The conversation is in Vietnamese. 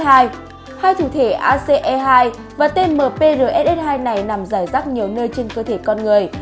hai thụ thể ace hai và tmprss hai này nằm rải rắc nhiều nơi trên cơ thể con người